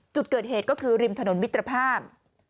จุดเกิดเหตุก็คือริมถนนมิตรภาพ